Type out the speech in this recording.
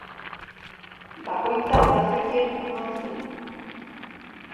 Bakoitzak bazekien non zen.